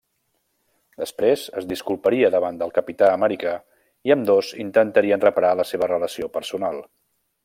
Després, es disculparia davant del Capità Amèrica i ambdós intentarien reparar la seva relació personal.